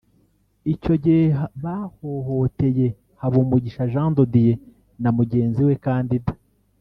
Icyo gihe bahohoteye Habumugisha Jean de Dieu na mugenzi we Kandinda